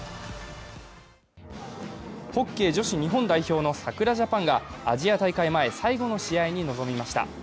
ホッケー女子日本代表のさくらジャパンがアジア大会前最後の試合に臨みました。